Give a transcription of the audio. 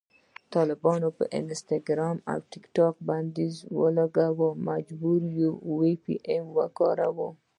طالبانو په انسټاګرام او ټیکټاک بندیز ولګاوو، مجبور یو وي پي این وکاروو